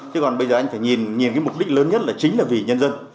thế còn bây giờ anh phải nhìn cái mục đích lớn nhất là chính là vì nhân dân